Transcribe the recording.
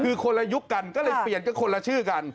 คือคนละยุคกันก็เลยเปลี่ยนก็คนละชื่อกัน